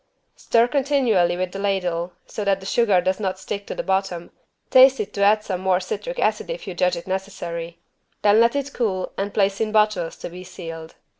Stir continually with the ladle so that the sugar does not stick to the bottom, taste it to add some more citric acid if you judge it necessary, then let it cool and place in bottles to be sealed.